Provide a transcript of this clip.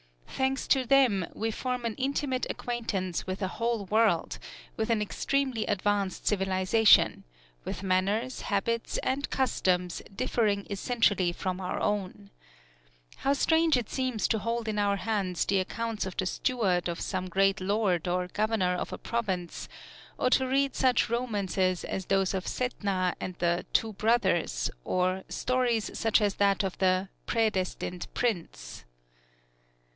Thanks to them, we form an intimate acquaintance with a whole world, with an extremely advanced civilization, with manners, habits, and customs differing essentially from our own. How strange it seems to hold in our hands the accounts of the steward of some great lord or governor of a province, or to read such romances as those of Setna and the Two Brothers, or stories such as that of the Predestined Prince.